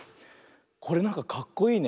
これなんかかっこいいね。